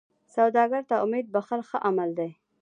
سوالګر ته امید بښل ښه عمل دی